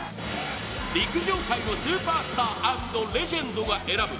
陸上界のスーパースター＆レジェンドが選ぶ